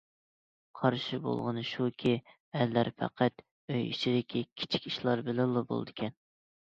قارشى بولغىنى شۇكى، ئەرلەر پەقەت ئۆي ئىچىدىكى كىچىك ئىشلار بىلەنلا بولىدىكەن.